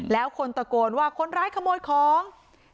แล้วคนตะโกนว่าคนร้ายขโมยของ